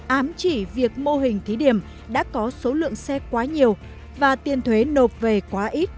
ám chỉ việc mô hình thí điểm đã có số lượng xe quá nhiều và tiền thuế nộp về quá ít